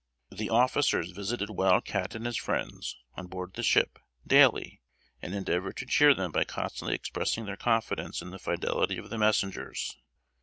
The officers visited Wild Cat and his friends, on board the ship, daily, and endeavored to cheer them by constantly expressing their confidence in the fidelity of the messengers.